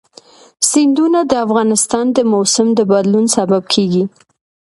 سیندونه د افغانستان د موسم د بدلون سبب کېږي.